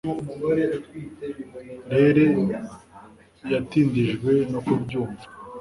Rere yatindijwe no kubyumva,